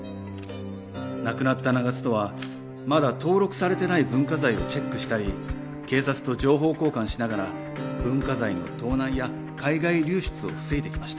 亡くなった長津とはまだ登録されてない文化財をチェックしたり警察と情報交換しながら文化財の盗難や海外流出を防いできました。